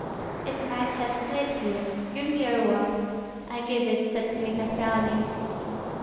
"It might have slipped you. Give me your word." "I give it," said Kmita, frowning.